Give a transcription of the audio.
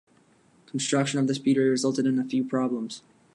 Construction of the speedway resulted in a few problems.